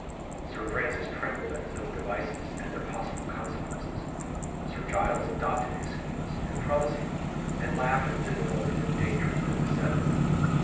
Sir Francis trembled at his own devices and their possible consequences: Sir Giles adopted his schemes, if promising, and laughed at the difficulties and dangers that beset them.